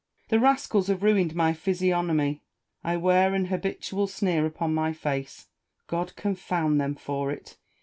The rascals have ruined my physiognomy. I wear an habitual sneer upon my face, God confound them for it